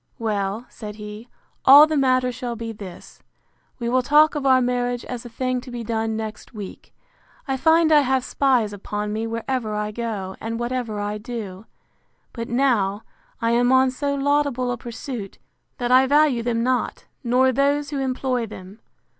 Well, said he, all the matter shall be this: We will talk of our marriage as a thing to be done next week. I find I have spies upon me wherever I go, and whatever I do: But now, I am on so laudable a pursuit, that I value them not, nor those who employ them.